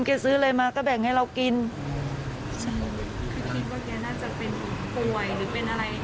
ซื้ออะไรมาก็แบ่งให้เรากินใช่คือคิดว่าแกน่าจะเป็นป่วยหรือเป็นอะไร